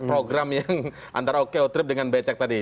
program yang antara okeotrip dengan becak tadi